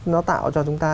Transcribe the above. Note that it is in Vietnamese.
nó tạo cho chúng ta